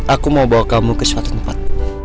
aku mau bawa kamu ke suatu tempat